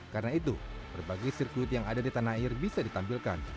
karena itu berbagai sirkuit yang ada di tanah air bisa ditampilkan